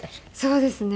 そうですね。